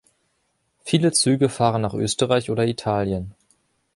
Viele Züge fahren nach Österreich oder Italien.